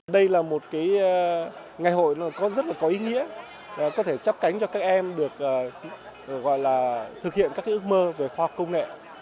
đây là một ngày hội rất là có ý nghĩa có thể chắp cánh cho các em được thực hiện các ước mơ về khoa học công nghệ